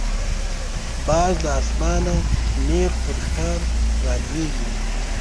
باز له آسمانه نیغ پر ښکار را لویږي